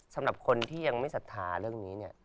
สำหรับคนที่ยังไม่สัทธาเรื่องนี้